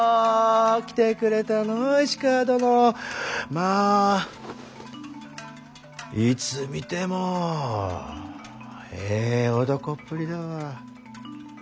まあいつ見てもええ男っぷりだわ。